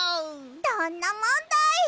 どんなもんだい！